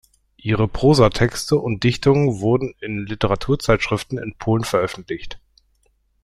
Ihre Prosatexte und Dichtungen wurden in Literaturzeitschriften in Polen veröffentlicht.